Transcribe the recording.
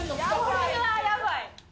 これはやばい。